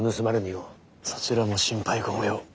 そちらも心配ご無用。